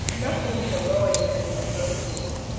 Nothing heroic and imposing!